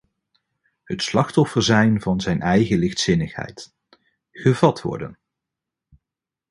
Het slachtoffer zijn van zijn eigen lichtzinnigheid; gevat worden.